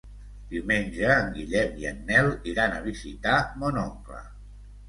Diumenge en Guillem i en Nel iran a visitar mon oncle.